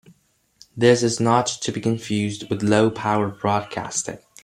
This is not to be confused with low-power broadcasting.